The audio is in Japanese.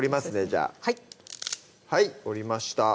じゃあはい折りました